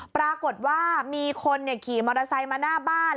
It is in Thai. ปรากฏว่ามีคนขี่มอเตอร์ไซค์มาหน้าบ้าน